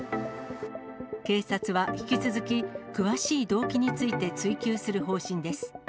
警察は引き続き、詳しい動機について追及する方針です。